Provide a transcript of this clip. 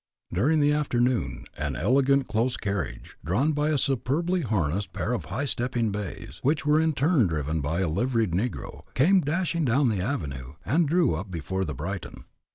During the afternoon an elegant close carriage, drawn by a superbly harnessed pair of high stepping bays, which were in turn driven by a liveried negro, came dashing down the avenue, and drew up before the Brighton.